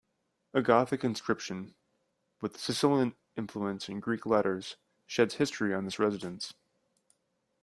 A Gothic inscription, with Sicilian influence and Greek letters, sheds history on this residence.